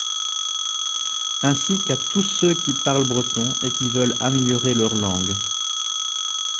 Ainsi qu’à tous ceux qui parlent breton et qui veulent améliorer leur langue.